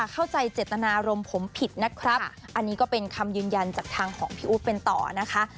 เข้าใจเจตนารมณ์ผมผิดนะครับอันนี้ก็เป็นคำยืนยันจากทางของพี่อู๊ดเป็นต่อนะคะ